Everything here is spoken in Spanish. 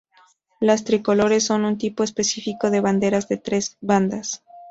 Las tricolores son un tipo específico de banderas de tres bandas.